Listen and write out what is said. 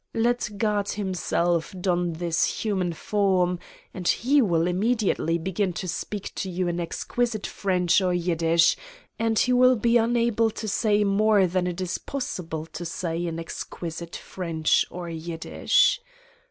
Let God himself don this human form and He will immediately begin to speak to you in exquisite French or Yid dish and He will be unable to say more than it is possible to say in exquisite French or Yiddish.